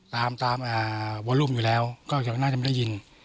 ตามวอลุ่มอยู่แล้วก็น่าจะไม่ได้ยิน